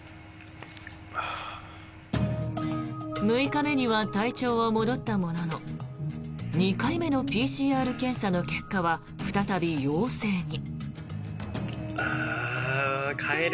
６日目には体調は戻ったものの２回目のＰＣＲ検査の結果は再び陽性に。